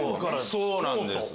そうなんです。